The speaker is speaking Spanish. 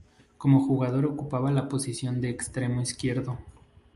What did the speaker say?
Como jugador ocupaba la posición de Extremo izquierdo.